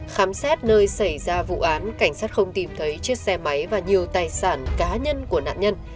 khám xét nơi xảy ra vụ án cảnh sát không tìm thấy chiếc xe máy và nhiều tài sản cá nhân của nạn nhân